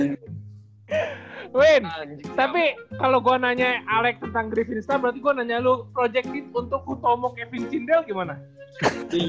win tapi kalau gua nanya alec tentang griffin star berarti gua nanya lu project hit untuk utomo kevin cindel gimana